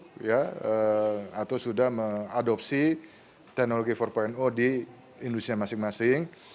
untuk sudah mengadopsi teknologi empat di industri masing masing